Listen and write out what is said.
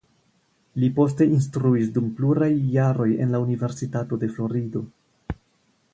Li poste instruis dum pluraj jaroj en la Universitato de Florido.